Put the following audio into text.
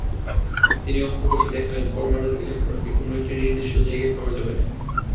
তিনি অঙ্ক কষে দেখালেন, পরমাণুর ইলেকট্রনকে কোনো একটি নির্দিষ্ট জায়গায় পাওয়া যাবে না।